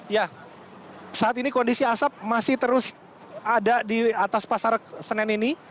ya saat ini kondisi asap masih terus ada di atas pasar senen ini